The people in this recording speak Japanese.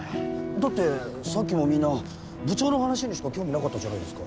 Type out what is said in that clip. だってさっきもみんな部長の話にしか興味なかったじゃないですか。